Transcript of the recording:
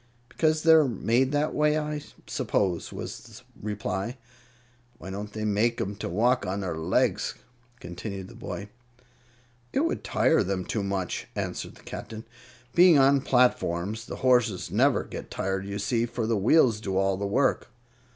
"Because they're made that way, I suppose," was the reply. "Why don't they make 'em to walk on their legs?" continued the boy. "It would tire them too much," answered the Captain. "Being on platforms, the horses never get tired, you see, for the wheels do all the work."